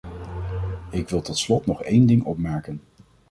Ik wil tot slot nog één ding opmerken.